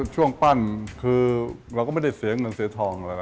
ช่วงปั้นคือเราก็ไม่ได้เสียเงินเลย